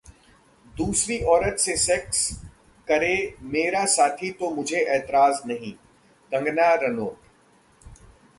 दूसरी औरत से सेक्स करे मेरा साथी तो मुझे ऐतराज नहीं: कंगना रनोट